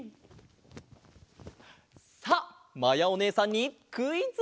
さあまやおねえさんにクイズ！